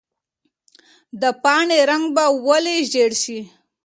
د پاڼې رنګ به ولې ژېړ شي؟